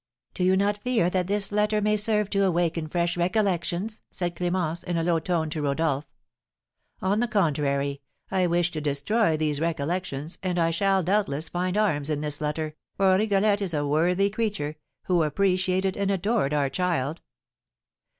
"Do you not fear that this letter may serve to awaken fresh recollections?" said Clémence, in a low tone to Rodolph. "On the contrary, I wish to destroy these recollections, and I shall, doubtless, find arms in this letter, for Rigolette is a worthy creature, who appreciated and adored our child."